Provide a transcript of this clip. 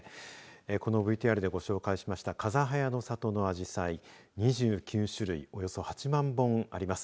このＶＴＲでご紹介しましたかざはやの里のあじさい２９種類およそ８万本あります。